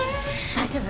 大丈夫。